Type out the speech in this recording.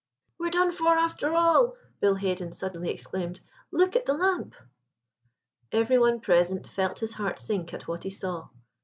"We're done for after all," Bill Haden suddenly exclaimed. "Look at the lamp!" Every one present felt his heart sink at what he saw.